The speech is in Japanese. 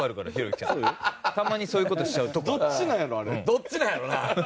どっちなんやろな。